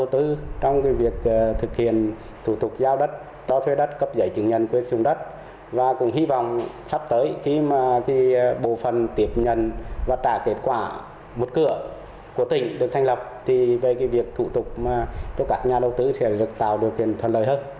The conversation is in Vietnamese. thì về việc thủ tục cho các nhà đầu tư sẽ được tạo điều kiện thuận lợi hơn